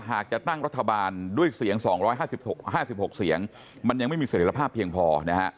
หากจะตั้งรัฐบาลด้วยเสียง๒๕๖เสียงมันยังไม่มีเสร็จภาพเพียงพอนะฮะ